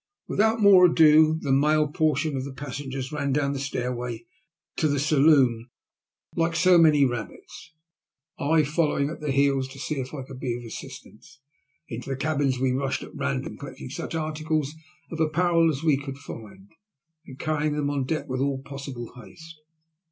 Without more ado the male portion of the passen gers ran down the stairway to the saloon like so many 148 THE LUST OF HATE. rabbits, I following at their heels to see If I could be of assistance. Into the cabins we rushed at random, collecting such articles of apparel as we could find, and carrying them on deck with all possible haste.